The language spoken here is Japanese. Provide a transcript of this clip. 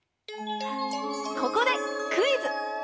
ここでクイズ！